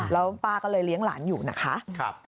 แล้วป้าก็เลยเลี้ยงหลานอยู่นะคะ